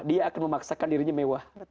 dia akan memaksakan dirinya mewah